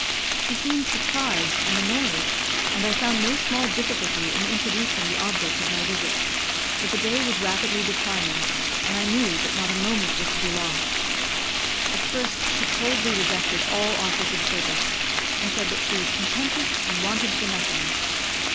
She seemed surprised and annoyed, and I found no small difficulty in introducing the object of my visit; but the day was rapidly declining, and I knew that not a moment was to be lost. At first she coldly rejected all offers of service, and said that she was contented, and wanted for nothing.